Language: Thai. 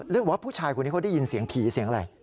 หรือว่าผู้ชายคนนี้เขาได้ยินเสียงผีเสียงอะไร